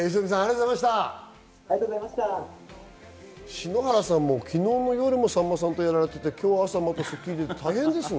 篠原さんも昨日の夜もさんまさんとやられていて、今日も朝『スッキリ』で大変ですよね。